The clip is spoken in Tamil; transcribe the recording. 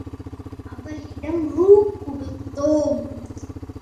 அவளிடம் ரூ.கொடுத்தோம்.